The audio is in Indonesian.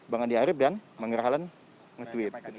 bang andi arief dan bang irhalen nge tweet